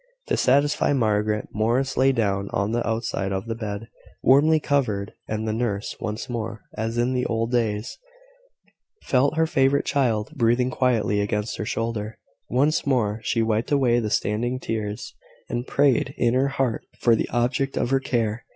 To satisfy Margaret, Morris lay down on the outside of the bed, warmly covered; and the nurse once more, as in old days, felt her favourite child breathing quietly against her shoulder: once more she wiped away the standing tears, and prayed in her heart for the object of her care.